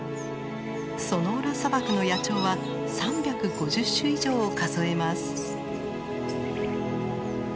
ソノーラ砂漠の野鳥は３５０種以上を数えます。